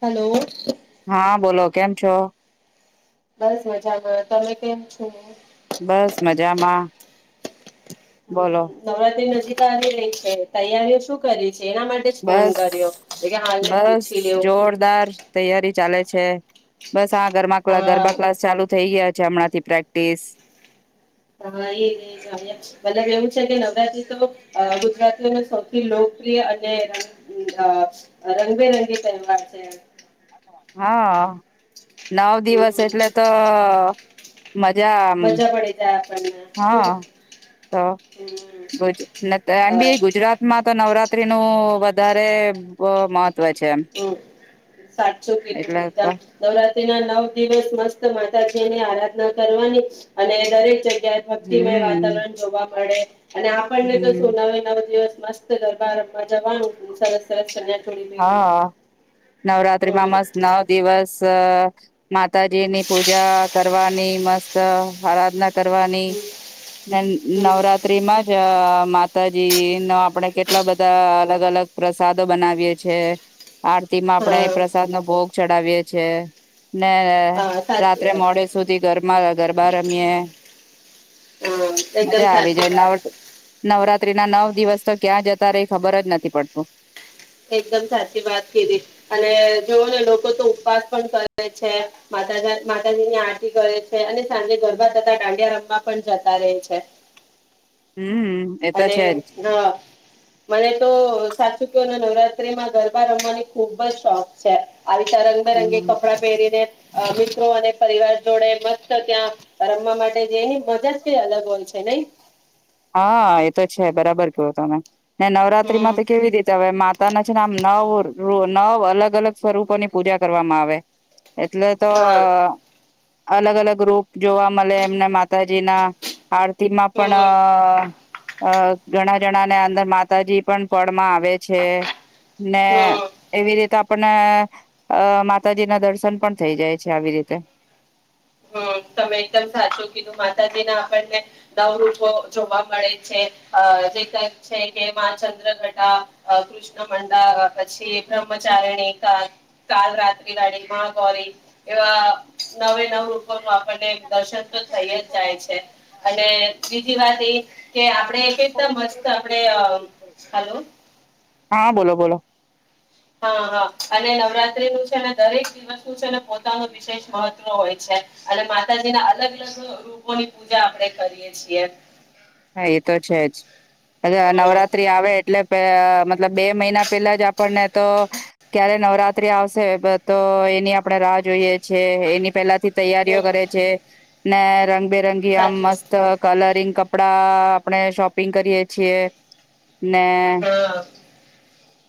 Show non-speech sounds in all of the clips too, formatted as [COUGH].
Hello હા બોલો કેમ છો બસ મજામાં તમે કેમ છો બસ મજામાં હમ બોલો નવરાત્રી નજીક [UNINTELLIGIBLE] છે તૈયારીઓ શું કરી છે એના માટે જ ફોન બસ કર્યો. કે હાલને બસ પૂછી લેવ જોરદાર તૈયારી ચાલે છે બસ આ ગરમાં પેલા હા ગરબા ક્લાસ ચાલુ થઈ ગયા છે હમણા થી પ્રેક્ટિસ હા એજ એજ એને બધા જાણી [UNINTELLIGIBLE] મતલબ એવું છે કે નવરાત્રી તો ગુજરાતીઓને સૌથી લોકપ્રિય અને અ રંગબેરંગી તહેવાર છે. હા નવ દિવસ હમ એટલે તો મજા આમ મજા પડી જાય આપણને હા તો હમ ગુજ મ એમ અ બી ગુજરાત માં તો નવરા ત્રી નો વધારે અ મ હમ સાતસો કેટું એટલે તો એકદમ નવરા [UNINTELLIGIBLE] ના નવ દિવસ મસ્ત માતાજી ની આરાધના કરવાની અને દરેક જગ્યા ભક્તિમય હમ વાતાવરણ જોવા મળે અને આપણને તો હમ સો નવે નવ દિવસ મસ દરબાર જવાનું સરસ સરસ ચણિયાચોળી પહેરીને નવરાત્રી માં હમ મસ્ત નવ દિવસ સ માતાજી ની પૂજા કરવાની મસ્ત ત આરાધના કરવાની ને નવરાત્રી માં જ મા માતાજી નો આપડે કેટલા બધા અલગ અલગ પ્રસાદો બનાવીએ છે. આરતી માં હા આપણેે પ્રસાદ નો ભોગ ચડાવીએ છે. ને હા સાચી રાત્રે વાત મોડે સુધી ગરમાં ગરબા રમીએ હા એકદમ મજા આવી સાચી જાય વાત નવ નવરા નવરાત્રીના નવ દિવસ તો ક્યાં જતા રહે ખબર જ નથી. પડતું. એકદમ સાચી વાત કીધી, અને જોવ ને લોકો તો ઉપવાસ પણ કરે છે, માતાજી ની આરતી કરે છે અને સાંજે ગરબા થતા દાંડિયા રમવા પણ જતા રહે છે. હમ એ તો અને છે જ હ મને તો સાચું કહો ને તો. નવરાત્રીમાં ગરબા રમવાની ખુબ જ શોખ છે! હા તૈયાર થઈને રંગબેરંગી હમ કપડાં પહેરીને. મિત્રો અને પરિવાર જોડે મસ્ત ત્યાં રમવા માટે જેની મજા છે અલગ હોય છે ને! હા, એ તો છે બરાબર કો તમે? ને નવરાત્રી હમ માં તો કેવી રીતે હવે? માતા ના છે ને, આમ નવ નવ અલગ અલગ સ્વરૂપોની પૂજા કરવામાં આવે! એટલે તો. હા અલગ અલગ રૂપ જોવા મળે, એમને મા. માતાજી ના આરતી માં પણ. હમ ઘણા જણા ને અંદર માતાજી પણ. આવે છે, ને હમ એવી રીતે! આપણને માતાજીના દર્શન પણ થઈ જાય છે આવી રીતે. હમ, તમે એકદમ સાચું કીધું માતાજીના આપણને નવરૂપો જોવા મળે છે અ જે છે કે માંચંદ્ર ઘટા અ કૃષ્ણમંડા અ પછી બ્રહ્મચારિણીકા, કાલરાત્રિવાડી મહગૌરી એવા નવે નવ રૂપો આપણે. દર્શનતો થઈ જ જાય છે અને બીજી વાત એ કે આપડે કેટલા મસ્ત આપડે અ હલો. હા બોલો બોલો. હા હા અને નવરાત્રીનું છે ને દરેક દિવસ છેને પોતાનું વિશેષ મહત હોય છે અને માતાજીના અલગ અલગ રૂપોની પૂજા આપણે કરીએ છીએ. હા એ તો છે જ હમ નવરાત્રી આવે એટલે પ મતલબ બે મહિના પેલાજ આપણને તો ક્યારે નવરાત્રી આવશે તો એની આપણે રાહ જોઈએ છીએ એની પેલાથી તૈયારીઓ હમ કરે છે. ને રંગ બેરંગી આમ સાચું મસ્ત કલરિંગ ક કંપડા આપણે શોપિંગ કરીએ છીએ. ને હા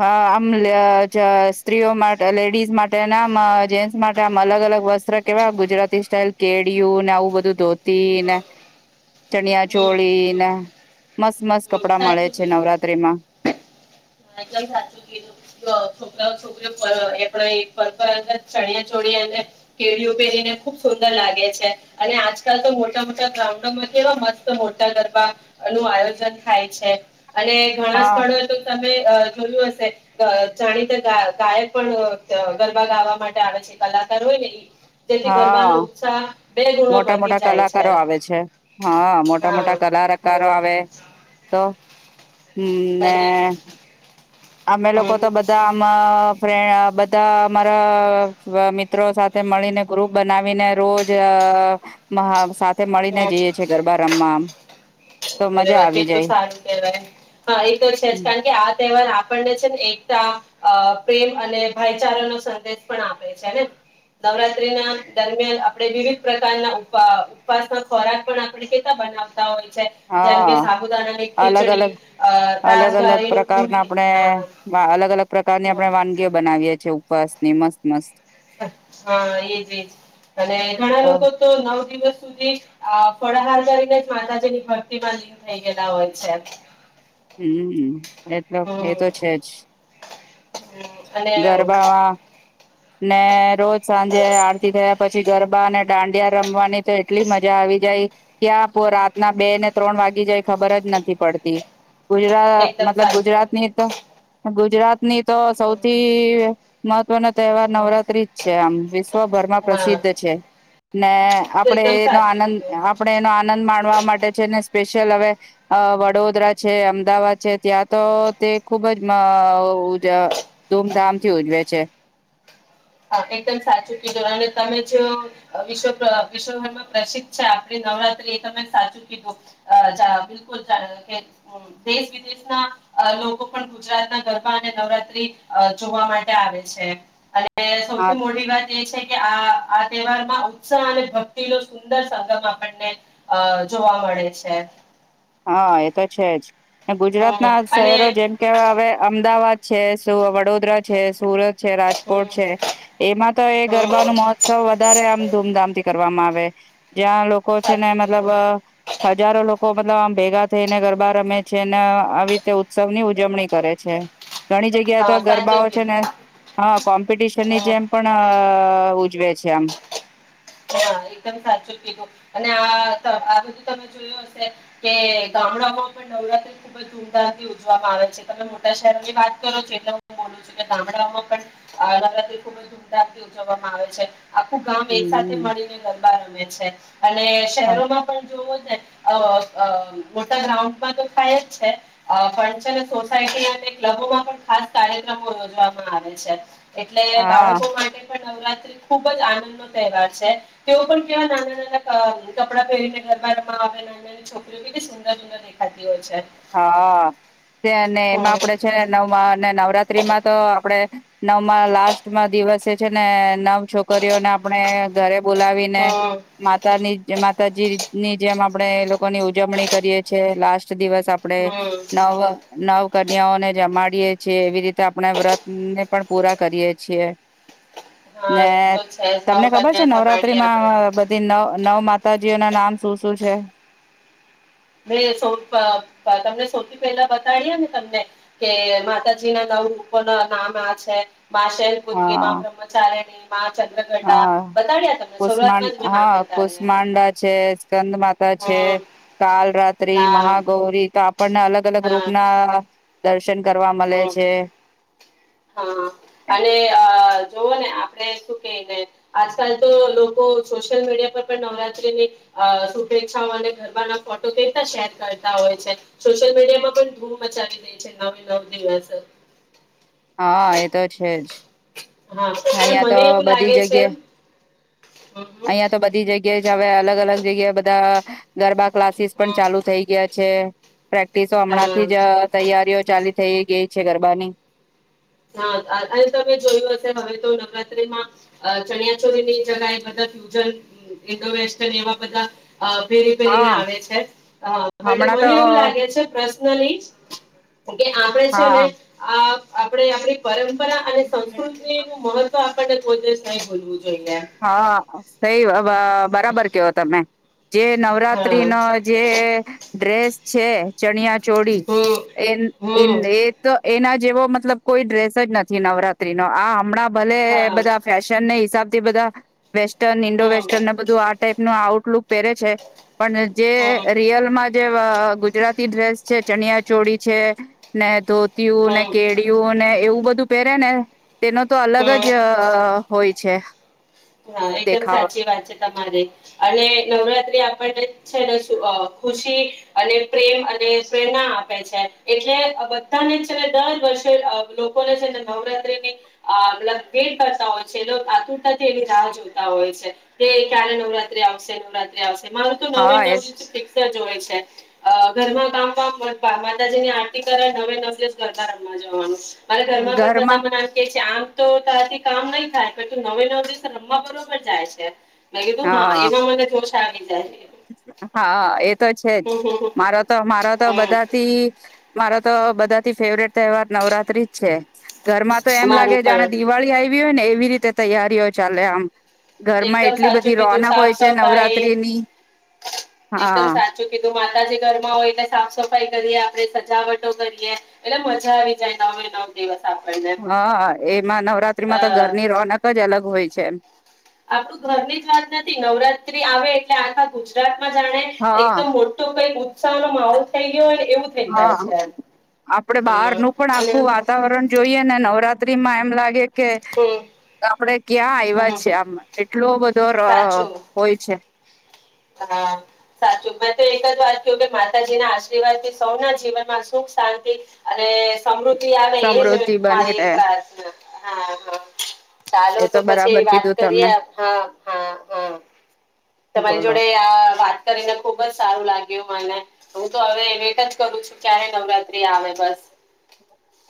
હા, આમ [UNINTELLIGIBLE] જ સ્ત્રીઓ માટે લેડીઝ માટેના મ જેન્ટ્સ માટે આમ અલગ અલગ વસ્ત્ર કેવા ગુજરાતી સ્ટાઈલ કેળિયુંને આવું બધુ તું. [UNINTELLIGIBLE] ને હમ ચણ્યા હમ હમ ચોળીને મસ્ત મસ્ત હમ કપડા મળે સાચું છે કીધું. નવરાત્રીમાં એકદમ સાચું કીધું જો છોકરાઓ છોકરીઓ દ્રારા [UNINTELLIGIBLE] ચણિયા ચોળી અને કેળયું પેરીને ખૂબ સુંદર લાગે છે અને આજકાલતો મોટા મોટા ગ્રાઉન્ડમાં કેવા મસ્ત મોટા ગરબા ઓનું આયોજન થાય છે. અને ઘણા હા સ્થળોએ તો તમે અ જોયું હશે ત જાણીતા ગા ગાયક પણ અ ગરબા ગાવા માટે આવે છે કલાકાર હોયને ઈ જેથી ગરબાનો હા ઉત્સાહ બે ગુણો મોટા વધી મોટા જાય છે કલાકારો આવે છે હા મોટા હા મોટા કલારકારો હમ આવે તો હમ ને અને અમે લોકો હમ તો બધાં આમા ફ્રેન્ડ અ બધા અમારા મિત્રો સાથે મળીને ગ્રુપ બનાવીને રોજ અ મહા થે મળીને હમ જઈએ છે ગરબા રમવા આમ તો મજા [UNINTELLIGIBLE] આવી કેટલું જાય સારું કેવાય હા એતો છેજ કારણ કે આ તહેવાર આપણે છેને એકતા અ પ્રેમ અને ભાઈચારાનો સંદેશ પણ આપે છેને નવરાત્રીના દરમિયાન આપણે વિવિધ પ્રકારના ઉપ અ ઉપવાસના ખોરાક પણ આપણે કેતલા બનાવતા હોય છે. જેમ કે હા સાબુદાણાની અલગ ખીચડી અલગ અ અલગ અલગ રાજગારીનું પ્રકારના પૂરી આપણે હા અલગ અલગ પ્રકારની હમ આપણે વાનગીઓ બનાવીએ છીએ. ઉપવાસની મસ્ત મસ્ત હા એજ એજ અને ઘણા લોકો તો નવ દિવસ સુધી ફળાહાલ કરીને જ માતાજીની ભકતીમાં લીન થઈ ગયેલા હોય છે. હમ એટલે હમ એતો છે જ અને ગરબામાં ને રોજ સાંજે આરતી થયા પછી ગરબા અને દાંડિયા રમવાની તો એટલી મજા આવી જાય ક્યાં પો રાતના બે ને ત્રણ વાગી જાય ખબર જ નથી પડતી. ગુજરાત એકદમ મતલબ સાચું ગુજરાત ની તો કીધું. ગુજરાતની તો સૌથી મહત ત્વનો તહેવાર નવરાત્રી જ છે આમ વિશ્વભરમાં હા પ્રસિદ્ધ છે ને તો આપડે એકદમ એનો સાચું આનંદ કીધું આપણેે એનો આનંદ માણવા માટે છે ને સ્પેશિયલ હવે અ વડોદરા છે અમદાવાદ છે ત્યાં તો તે ખુબ જ અ ઉજા ધૂમધામથી ઉજવે છે. અ એકદમ સાચું કીધું અને તમે જે વિશ્વ વિશ્વભરમાં પ્રસિદ્ધ છે આપડી નવરાત્રી એ તમે સાચું કીધું અ જા બિલકુલ દેશ વિદેશના લોકો પણ ગુજરાતના ગરબા અને નવરાત્રી જોવા માટે આવે છે. ને હા સૌથી મોટી વાત એ છે. કે આ આ તહેવારમાં ઉત્સાહ અને ભક્તિનો સુંદર સંગમ આપણને અ જોવા મળે છે. હા એતો છે જ ગુજરાત હમ ના અને શહેરો જેમ કે હવે અમદાવાદ છે, વડોદરા છે સુરત રાજકોટ હમ છે, એમાં તો એ હમ ગરબા ન મહોત્સવ વધારે આમ ધૂમધામથી કરવામાં આવે. [UNINTELLIGIBLE] જ્યાં લોકો છે ને સાચું મતલબ કીધું હજારો લોકો મતલબ આમ ભેગા થઈને ગરબા રમે છે, અને આવી રીતે ઉત્સવની ઉજવણી કરે છે. ઘણી જગ્યા તો હા સાચું ગરબાઓ છે કીધું ને હા કોમ્પિટિશનની હમ જેમ પણ ઉજવે છે, આમ હા એકદમ સાચું કીધું અને આ આ બધું તમે જોયું હશે કે ગામડાઓમાં પણ નવરાત્રી ખુબ જ ધૂમધામથી ઉજવામાં આવે છે, તમે મોટા શહેરોની વાત કરો છો એટલે હું બોલું છું કે ગામડાઓમાં પણ નવરાત્રી ખુબ જ ધૂમધામથી ઉજવવામાં આવે છે. આખું ગામ એક સાથે હમ મળીને ગરબા રમે છે, અને શહેરોમાં પણ જોવો ને મોટા ગ્રાઉન્ડમાં તો થાય જ છે, ફ છે સોસાયટી અને ક્લબોમાં પણ ખાસ કાર્યક્રમો યોજવામાં આવે છે. એટલે હા બાળકો માટે પણ નવત્રી ખુબ જ આનંદ તહેવાર છે, તેઓ પણ કેવા નાના નાના કપડા પહેરીને ગરબામાં આવે નાની નાની છોકરીઓ કેલી સુંદર સુંદર દેખાતી હોય છે. હા એમાં હમ આપડે છે, નવ અને નવરાત્રીમાં તો આપડે નવમાં લાસ્ટમાં દિવસે છે, ને નવ છોકરીઓને આપણે ઘરે બોલાવીને હમ માતાની માતાજી ની જેમ આપડે એ લોકો ની ઉજવણી કરીએ છએ, લાસ્ટ દિવસ આપણે હમ નવ નવ કન્યાઓને જમાડ કરીએ છએ એવી રીતે આપણા વ્રત ને પણ પૂરા કરીએ છીએ. હા ને એ તો છે જ તમને નવ ખબર છે, કન્યા જમાડીએ આપડે. નવરાત્રીમાં બધી નવ નવ માતા માતાજીઓ ના નામ શું શું છે. મે તમને સૌથી પહેલા બતાડીએ, ને તમને કે માતાજી ના નવ રૂપો ના નામ આ છે. મા શૈલપુત્રી હા મામાં બ્રહ્મચાર્યણી હા કષ શરૂઆતમાં જ મેં નામ હા બતાડ્યા. કષમાંડા છે, સ્કંદ માતા છે. હમ કાલ રાત્રિ હા મહાગૌરી તો આપણને અલગ અલગ હા રૂપના દશન કરવા મળે હમ છે. હા અને જોવો ને, આપણે શું કને આજકાલ તો લોકો સોશિયલ મીડિયા પર પણ નવરાત્રીની શુભેચ્છાઓ અને ગરબાના ફોટો કેતા શેર કરતા હોય છે, સોશિયલ મીડિયા માં પણ ધૂમ મચાવી દે છે, ન નવ દિવસ હા એ તો છે, જ હા, પણ અહિયાં તો મને એવું બધી લાગે છે, જગ્યા એમ અહિયાં તો બધી જગ્યાએ જ હવે અલગ અલગ જગ્યાએ બધા ગરબા ક્લાસીસ પણ હમ ચાલુ થઈ ગયા છે. પ્રેક્ટિસો હમ હા હમણાંથી જ તૈયારીઓ ચાલી થઈ ગઈ છે, ગરબાની હા અ તમે જોયું હશે હવે તો નવરાત્રીમાં ચણિયાચોરીની જગએ બધા ફ્યુજન ઈન્ડો વેસ્ટન એવા બધા અ પેરી પેરીને હા આવે છે, મને હમણાં તો એવું લાગે છે પર્શ્ન નલી ઓકે આપડણે છે, ને હા અ આપણે આપ પરંપરા અને સંસ્કૃતિ નું મહત્વ આપ પો કોઈ દિવસ ન બોલવું હા સઈ બરાબર કેવો તમે જે નવરાત્રી હા ન જે ડ્રેસ છે ચણિયા ચોડી હમ એ હમ એ તો એના જેવો મતલબ કોઈ ડ્રેસ જ નથી નવરાત્રી નો આ હમણાં ભલે હા બધા ફેશનને હિસાબ તે બધા વેસ્ટર્ન ઇન્ડો હમ વેસ્ટર્નને બધું આ ટાઈપનું આઉ લું પહેરે છે. પણ જે હમ રિયલમાં જે ગુજરાતી ડ્રેસ છે ચણિયા ચોળી છે ને ધો ત્યુ ને હમ કેળિય ને એવું બધું પેરેને તેનો તો અલગ હમ જ હોય અ છેછ હા એકદમ સાચી વાત છે તમારે અને નવરાત્ર આપણને છેને ખુશી અને પ્રેમ અને પ્રેરણા આપે છે એટલે બધાને છેને દર વર્ષે લોકોને છે ને નવરાત્રીની ભેટ કરતા હોય છે લોક આતુરતા તેવી રાહ જોતા હોય છે તે ક્યારે નવરાત્રી આવશે નવરાત્રી આવશે મારુ તો નવે હા નવ એ દિવસ ફીક્સ જો હોય છે ઘરમાં કામ માતાજી ની આરતી કરે નવે નબ દિવસ ગરબા રમમાં જવાનું મારે ઘરમાં પણ બધામાં નાખ છે આમ તો તારથી કામ નહી થાય પણ તું નવે નવ દિ રમવા બરોબર જાય છે. હા એમાં મને જોશ આવી જાય. હા હા એ તો છે જ હમ મારો તો મારો તો બધાથી મારો તો બધા ફેવરેટ તહેવાર નવરાત્રી જ છે. ઘર માં તો એમ લાગે મારું જાણે પણ દિવાળી આવી વી હોને એવી રીતે તૈયારીઓ ચાલે આમ ઘરમાં એકદમ એટ સાચું કીધું સાફ સફાઈ હા એકદમ સાચું કીધું માતાજી ઘરમાં હોય એટલે સાફ સફાઈ કરી આપ આપડે સજાવટો કરીએ એટલે મજા આવી જાય નવે નવ દિવસ આપણને હા એમાં અ નવરાત્રીમાં તો ઘરની રોનક જ અલગ હોય છે મ આપડું ઘરની જ વાત નથી નવરાત્રી આવે એટલે આખા ગુજરાત માં જાણે હા એકદમ મોટો કઈક સા નો માહો હા આપડે હમ બહારનું પણ અને આખું વાતાવરણ જોઈએ ને નવરા ત્રી માં એમ લાગે કે હમ આપણે ક્યાં એવા હમ છે આમાં એટલો દોર સાચું હોય છે. હા સાચું મેં તો એક જ વાત ક કે માતાજીના આશીર્વાદ થી સૌના જીવન માં સુખ શાંતિ અને સમૃ દ્ધિ આવે એ જ સમૃદ્ધિ બની મારી રહે પ્રારથના હા હા ચાલો એ તો પછી બરાબર વાત કીધું તમે કરીએ હા હા હા તમારી બોલો જોડે આ વા કરીને ખુબ જ સારું લાગ્યું મને હું તો હવે વેટ જ કરું છું ક્યારે નવરાત્રી આવે બસ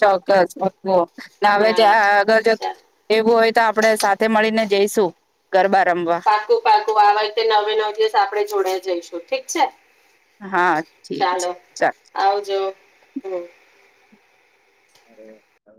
ચોક્કસ ના આવે ત્યાં અગર હા. એવું હોય આપડે સાથે મળીને જઈશું ગરબા રમવા પાકું પાકું આ વાખતે નવે નવ દિવસ આપડણે જોડાઈ જઈશું ઠીક છે. હા ઠીક છે ચાલો ચાલ આવજો હમ અરે ત